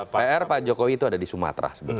pr pak jokowi itu ada di sumatera sebenarnya